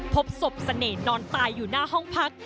พบศพเสน่ห์นอนตายอยู่หน้าห้องพัก